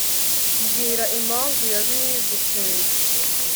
mbwira impamvu yabiguteye